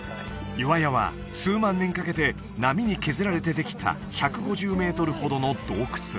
岩屋は数万年かけて波に削られてできた１５０メートルほどの洞窟